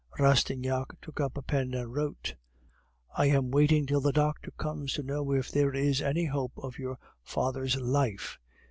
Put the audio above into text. Rastignac took up a pen and wrote: "I am waiting till the doctor comes to know if there is any hope of your father's life.